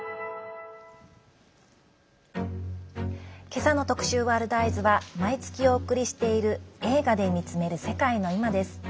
今朝の特集「ワールドＥＹＥＳ」は毎月お送りしている「映画で見つめる世界のいま」。